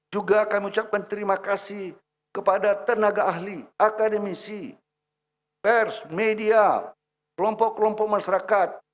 juga kami ucapkan terima kasih kepada tenaga ahli akademisi pers media kelompok kelompok masyarakat